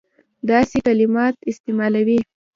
داسي کلمات استعمالوي.